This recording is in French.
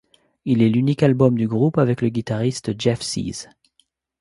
Il est l'unique album du groupe avec le guitariste Jeff Cease.